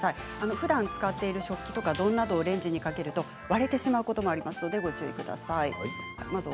ふだん使っている食器や丼をレンジにかけると割れてしまうことがありますので気をつけてください。